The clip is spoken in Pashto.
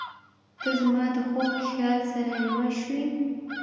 • ته زما د خوږ خیال سره یوه شوې.